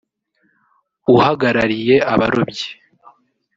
uhagarariye abarobyi